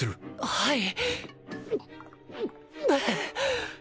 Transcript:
はい！